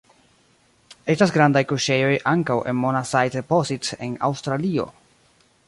Estas grandaj kuŝejoj ankaŭ en monazite deposits en Aŭstralio.